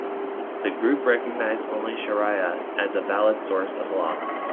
The group recognised only "Shari'a" as a valid source of law.